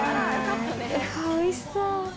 おいしそう。